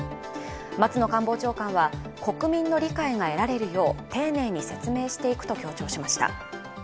松野官房長官は国民の理解が得られるよう丁寧に説明していくと強調しました。